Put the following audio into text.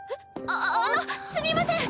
あっあのすみません！